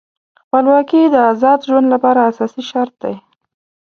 خپلواکي د آزاد ژوند لپاره اساسي شرط دی.